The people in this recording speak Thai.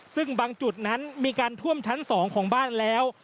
ซึ่งบางจุดนั้นมีการท่วมชั้น๒ของบ้านแล้ว